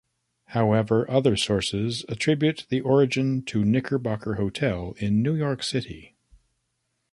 However, other sources attribute the origin to the Knickerbocker Hotel in New York City.